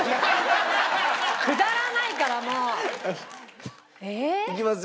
くだらないからもう！いきますよ。